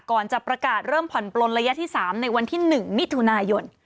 ก่อนจะประกาศเริ่มผ่อนปลนระยะที่๓ในวันที่๑มิถุนายน